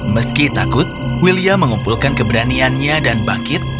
meski takut william mengumpulkan keberaniannya dan bangkit